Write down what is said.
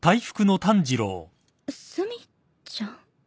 炭ちゃん？